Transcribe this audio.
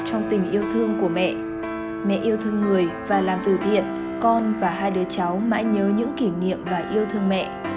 trong tình yêu thương của mẹ mẹ yêu thương người và làm từ thiện con và hai đứa cháu mãi nhớ những kỷ niệm và yêu thương mẹ